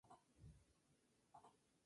Era el hijo mayor de John D. Rockefeller Jr.